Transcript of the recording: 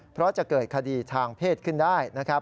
เพราะจะเกิดคดีทางเพศขึ้นได้นะครับ